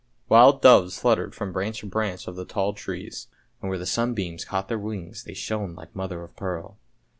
Wild doves fluttered from branch to branch of the tall trees, and where the sunbeams caught their wings they shone like mother of pearl.